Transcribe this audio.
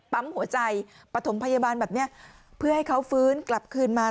ปั๊มหัวใจปฐมพยาบาลแบบเนี้ยเพื่อให้เขาฟื้นกลับคืนมา